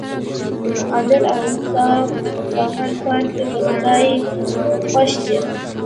عدل او انصاف په هر کار کې د خدای خوښ دی.